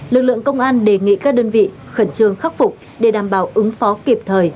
lực lượng công an đề nghị các đơn vị khẩn trương khắc phục để đảm bảo ứng phó kịp thời